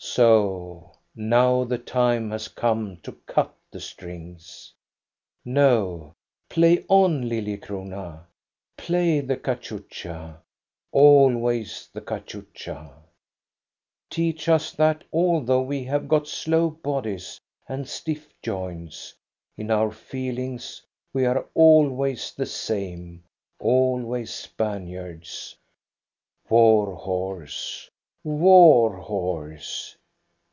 So now the time has come to cut the strings. No, play on, Lilliecrona, play the cachucha, always the cachucha ! Teach us that, although we have got slow bodies and stiff joints, in our feelings we are always the same, always Spaniards. War horse, war horse